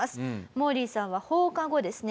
モーリーさんは放課後ですね